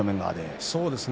そうです。